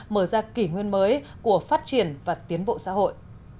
mở ra kỷ nguyên mới của phát triển và tiến bộ xã hội